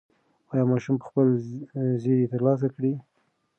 ایا ماشوم به خپل زېری ترلاسه کړي؟